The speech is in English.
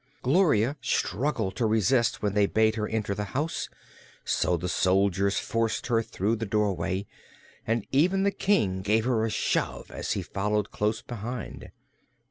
Gloria struggled to resist when they bade her enter the house, so the soldiers forced her through the doorway and even the King gave her a shove as he followed close behind.